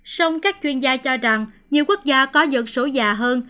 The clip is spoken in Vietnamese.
song các chuyên gia cho rằng nhiều quốc gia có dân số già hơn